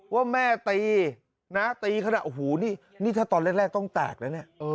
ว่าแม่ตีนะตีขนาดโอ้โหนี่นี่ถ้าตอนแรกต้องแตกแล้วเนี่ย